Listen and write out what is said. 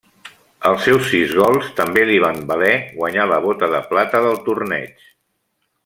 Els seus sis gols també li van valer guanyar la Bota de Plata del torneig.